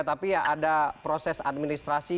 tapi ya ada proses administrasi